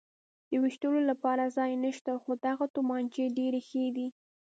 د وېشتلو لپاره ځای نشته، خو دغه تومانچې ډېرې ښې دي.